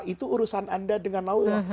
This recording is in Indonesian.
itu urusan anda dengan allah